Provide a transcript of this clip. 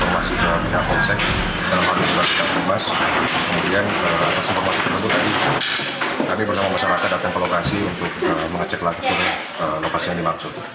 kami bersama masyarakat datang ke lokasi untuk mengecek laporan yang dimaksud